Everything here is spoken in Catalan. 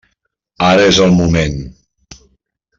Ara és el moment.